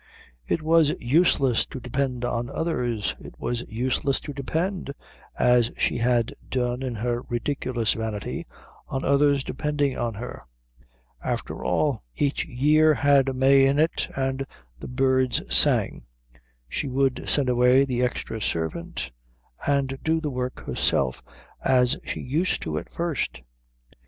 It was useless to depend on others; it was useless to depend, as she had done in her ridiculous vanity, on others depending on her. After all, each year had a May in it and the birds sang. She would send away the extra servant and do the work herself, as she used to at first.